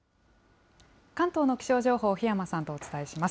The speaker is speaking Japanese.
関東の気象情報、檜山さんとお伝えします。